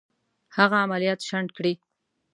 هغه عملیات شنډ کړي.